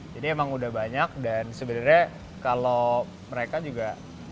jadi memang sudah banyak dan sebenarnya kalau mereka juga